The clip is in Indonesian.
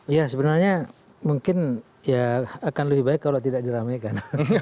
ya sebenarnya mungkin ya akan lebih baik kalau tidak diramaikan